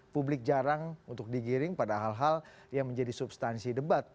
publik jarang untuk digiring pada hal hal yang menjadi substansi debat